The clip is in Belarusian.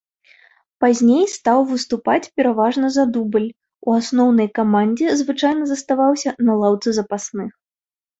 Пазней стаў выступаць пераважна за дубль, у асноўнай камандзе звычайна заставаўся на лаўцы запасных.